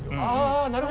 あなるほど。